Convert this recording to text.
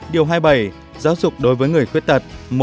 điều hai mươi bảy giáo dục đối với người khuyết tật